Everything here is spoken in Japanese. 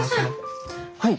はい。